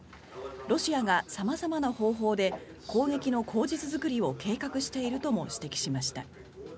ロシアが様々な方法で攻撃の口実作りを計画しているとも指摘しました。